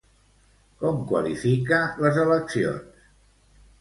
Com qualifica les eleccions?